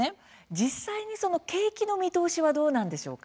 実際にその景気の見通しはどうなんでしょうか？